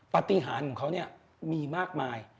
ปฏิหารของเขาเนี่ยมีมากมาย